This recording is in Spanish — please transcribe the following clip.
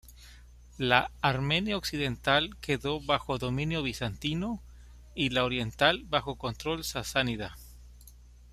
La Armenia occidental quedó bajo dominio bizantino y la oriental bajo control sasánida.